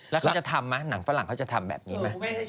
แล้วเขาจะทำไหมหนังฝรั่งเขาจะทำแบบนี้ไหม